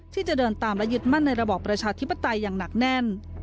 ที่จะเดินตามและยึดมั่นในระบอบประชาธิปไตยอย่างหนักแน่น